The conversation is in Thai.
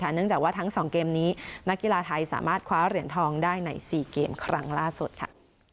เนื่องจากว่าทั้ง๒เกมนี้นักกีฬาไทยสามารถคว้าเหรียญทองได้ใน๔เกมครั้งล่าสุดค่ะ